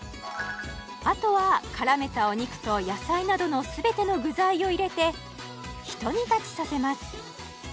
あとはからめたお肉と野菜などの全ての具材を入れてひと煮立ちさせます